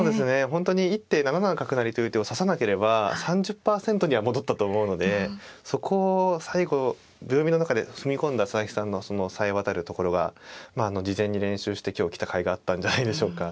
本当に一手７七角成という手を指さなければ３０％には戻ったと思うのでそこ最後秒読みの中で踏み込んだ佐々木さんのそのさえ渡るところが事前に練習して今日来たかいがあったんじゃないでしょうか。